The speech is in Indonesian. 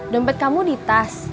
dompet kamu di tas